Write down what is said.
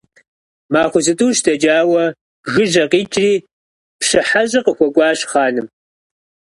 Махуэ зытӀущ дэкӀауэ, жыжьэ къикӀри, пщы хьэщӀэ къыхуэкӀуащ хъаным.